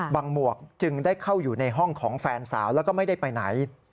หมวกจึงได้เข้าอยู่ในห้องของแฟนสาวแล้วก็ไม่ได้ไปไหน